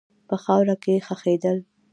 په خاوره کښې خښېدل